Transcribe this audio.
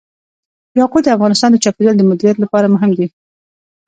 یاقوت د افغانستان د چاپیریال د مدیریت لپاره مهم دي.